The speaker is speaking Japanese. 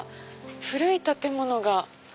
古い建物が。